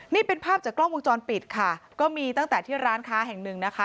นี่เป็นภาพจากกล้องวงจรปิดค่ะก็มีตั้งแต่ที่ร้านค้าแห่งหนึ่งนะคะ